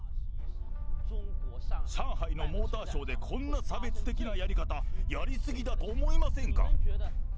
上海のモーターショーでこんな差別的なやり方、やり過ぎだと思いませんか？